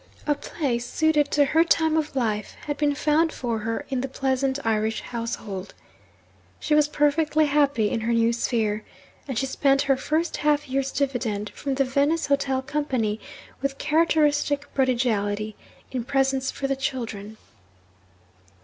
A place, suited to her time of life, had been found for her in the pleasant Irish household. She was perfectly happy in her new sphere; and she spent her first half year's dividend from the Venice Hotel Company, with characteristic prodigality, in presents for the children.